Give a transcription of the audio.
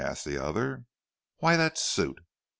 asked the other. "Why, that suit!"